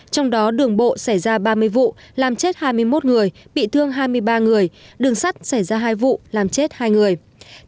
trong đó đường bộ xảy ra ba mươi vụ làm chết hai mươi một người bị thương hai mươi ba người đường sắt xảy ra hai vụ làm chết hai người